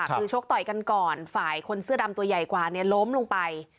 คือชกต่อยกันก่อนฝ่ายคนเสื้อดำตัวใหญ่กว่าล้มลงไป